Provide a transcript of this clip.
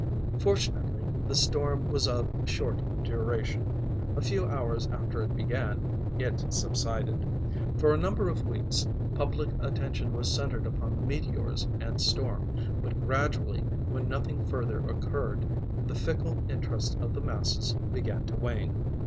Fortunately the storm was of short duration; a few hours after it began, it subsided. For a number of weeks public attention was centered upon the meteors and storm; but gradually, when nothing further occurred, the fickle interest of the masses began to wane.